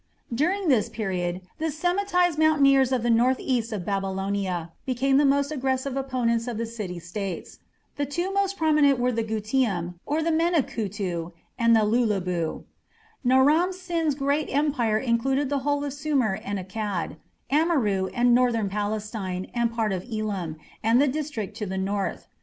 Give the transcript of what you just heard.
During this period the Semitized mountaineers to the north east of Babylonia became the most aggressive opponents of the city states. The two most prominent were the Gutium, or men of Kutu, and the Lulubu. Naram Sin's great empire included the whole of Sumer and Akkad, Amurru and northern Palestine, and part of Elam, and the district to the north.